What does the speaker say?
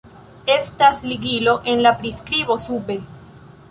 Estas ligilo en la priskribo sube